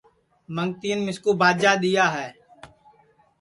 منگتِئین مِسکُو باجا دِؔیا ہے